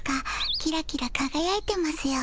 キラキラかがやいてますよ。